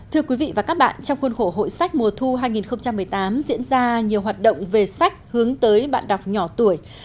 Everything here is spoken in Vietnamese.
thưa quý vị và các bạn trong khuôn khổ hội sách mùa thu hai nghìn một mươi tám diễn ra nhiều hoạt động về sách hướng tới bạn đọc nhỏ tuổi